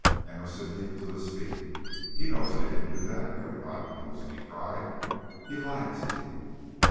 Emerson leaped to his feet. "He knows I didn't do that; everybody knows it!" he cried. "He lied to you."